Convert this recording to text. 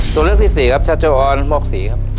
ตัวเลือกที่สี่ครับชัชโอนมอกศรีครับ